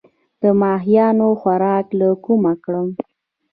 د ماهیانو خوراک له کومه کړم؟